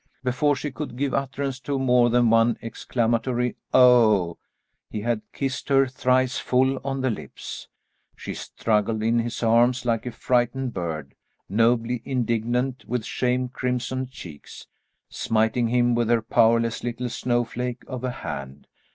Before she could give utterance to more than one exclamatory "Oh," he had kissed her thrice full on the lips. She struggled in his arms like a frightened bird, nobly indignant with shame crimsoned cheeks, smiting him with her powerless little snowflake of a hand.